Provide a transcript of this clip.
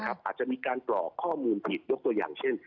อาจจะมีการกรอกข้อมูลผิดยกตัวอย่างเช่น